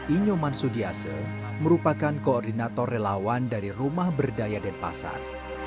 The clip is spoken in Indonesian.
inyoman sudiase merupakan koordinator relawan dari rumah berdaya denpasar